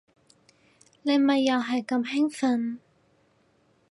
你咪又係咁興奮